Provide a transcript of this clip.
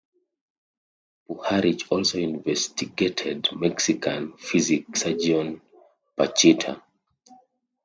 Puharich also investigated Mexican psychic surgeon Pachita.